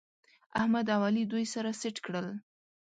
احمد او علي دوی سره سټ کړل